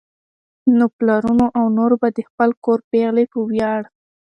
نو پلرونو او نورو به د خپل کور پېغلې په وياړ